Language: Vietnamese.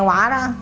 bị quả đó